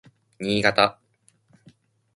新潟